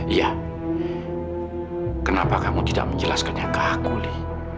iya kenapa kamu tidak menjelaskan nyata aku lili